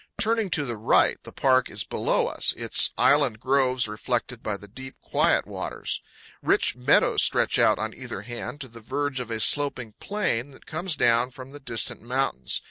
Turning to the right, the park is below us, its island groves reflected by the deep, quiet waters. Rich meadows stretch out on either hand to the verge of a sloping plain that comes down from the distant mountains.